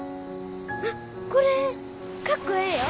あっこれかっこええよ。